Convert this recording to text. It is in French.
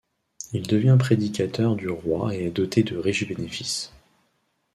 Il devient prédicateur du roi et est doté de riches bénéfices.